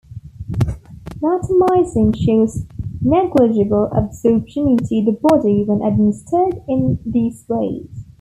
Natamycin shows negligible absorption into the body when administered in these ways.